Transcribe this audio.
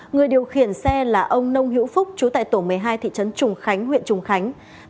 người điều khiển xe là ông nông hiễu phúc chú tại tổ một mươi hai thị trấn trùng khánh huyện trùng khánh